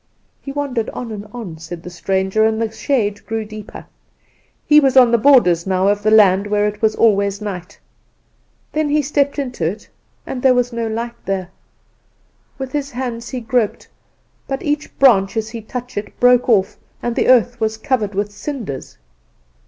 "He wandered on and on," said the stranger, "and the shade grew deeper. He was on the borders now of the land where it is always night. Then he stepped into it, and there was no light there. With his hands he groped; but each branch as he touched it broke off, and the earth was covered with cinders.